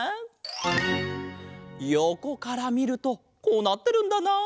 よこからみるとこうなってるんだな。